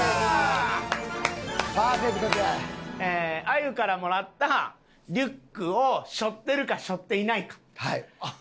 あゆからもらったリュックを背負ってるか背負っていないか。